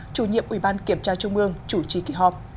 chủ nhiệm ubkt chủ trì kỳ họp